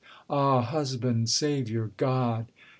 . Ah! husband! Saviour! God!